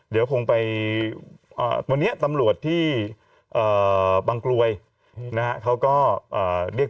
เดี๋ยวคงไปวันนี้ตำรวจที่บางกลวยนะฮะเขาก็เรียก